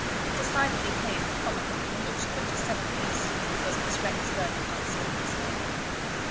"Decidedly plain and common looking, and looks twenty seven at least," was Miss Rennie's verdict on seeing Miss Melville.